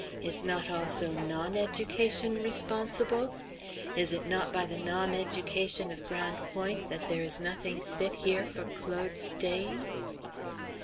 Is not also non education responsible? Is it not by the non education of Grande Pointe that there is nothing fit here for Claude's staying?"